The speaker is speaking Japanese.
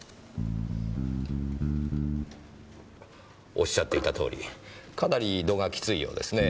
おっしゃっていた通りかなり度がきついようですね。